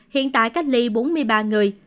hiện tại cách ly bốn mươi ba người